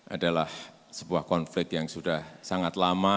adalah sebuah konflik yang sudah sangat lama